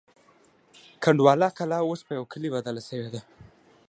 کنډواله کلا اوس په یوه کلي بدله شوې ده.